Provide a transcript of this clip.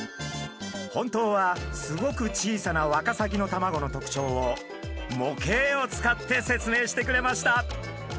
本当はすごく小さなワカサギの卵の特徴を模型を使って説明してくれました。